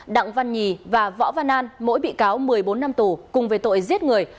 đặng văn nhì và võ văn an mỗi bị cáo một mươi bốn năm tù cùng về tội giết người